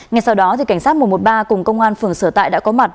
ngay sau đó cảnh sát một trăm một mươi ba cùng công an phường sở tại đã có mặt